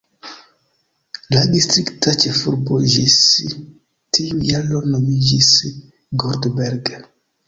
La distrikta ĉefurbo ĝis tiu jaro nomiĝis "Goldberg".